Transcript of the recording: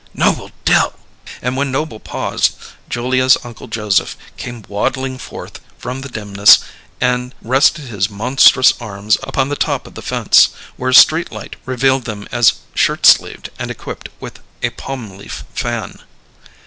Noble Dill!" And when Noble paused, Julia's Uncle Joseph came waddling forth from the dimness and rested his monstrous arms upon the top of the fence, where a street light revealed them as shirt sleeved and equipped with a palm leaf fan.